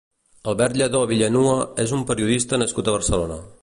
Albert Lladó Villanua és un periodista nascut a Barcelona.